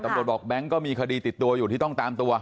บอกแบงค์ก็มีคดีติดตัวอยู่ที่ต้องตามตัว